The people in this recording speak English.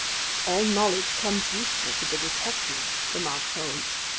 "All knowledge comes useful to the detective," remarked Holmes.